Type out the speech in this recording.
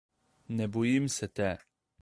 Ne bojim se te.